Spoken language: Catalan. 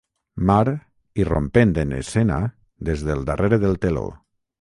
Mar, irrompent en escena des del darrere del teló—.